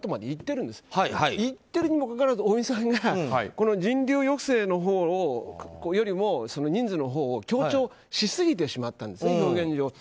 言ってるにもかかわらず尾身さんが人流抑制よりも人数のほうを強調しすぎてしまったんですね、表現上。